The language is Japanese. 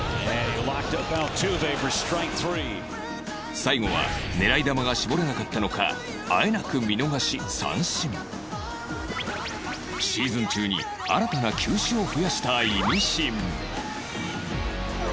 最後は狙い球が絞れなかったのかあえなくシーズン中に新たな球種を増やしたイミシン